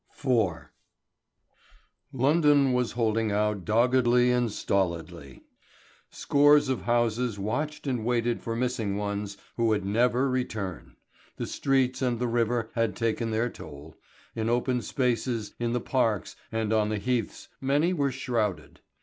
IV. London was holding out doggedly and stolidly. Scores of houses watched and waited for missing ones who would never return, the streets and the river had taken their toll, in open spaces, in the parks, and on the heaths many were shrouded.